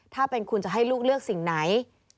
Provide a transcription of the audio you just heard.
ถ้าเป็นคุณจะให้ลูกเลือกสิ่งไหน